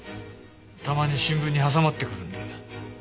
たまに新聞に挟まってくるんで。